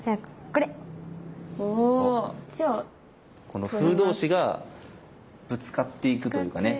この歩同士がぶつかっていくというかね。